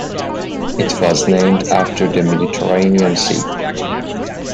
It was named after the Mediterranean Sea.